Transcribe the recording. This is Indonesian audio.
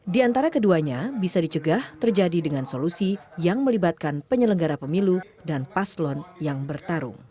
di antara keduanya bisa dicegah terjadi dengan solusi yang melibatkan penyelenggara pemilu dan paslon yang bertarung